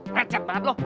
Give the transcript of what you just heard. pecat banget lo